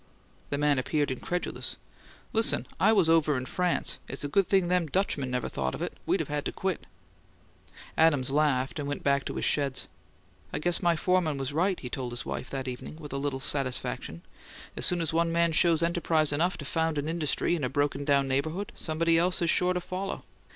The man appeared incredulous. "Listen! I was over in France: it's a good thing them Dutchmen never thought of it; we'd of had to quit!" Adams laughed, and went back to his sheds. "I guess my foreman was right," he told his wife, that evening, with a little satisfaction. "As soon as one man shows enterprise enough to found an industry in a broken down neighbourhood, somebody else is sure to follow.